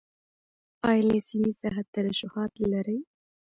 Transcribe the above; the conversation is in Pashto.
ایا له سینې څخه ترشحات لرئ؟